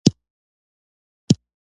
دې تودو شګو مې ماغزه را وچ کړې دي.